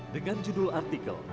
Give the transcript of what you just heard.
dengan judul artikel